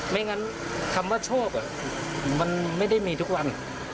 ไม่งั้นคำว่าโชคมันไม่ได้มีทุกวัน